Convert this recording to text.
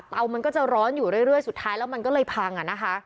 เตามันก็จะร้อนอยู่เรื่อยสุดท้ายแล้วมันก็เลยพัง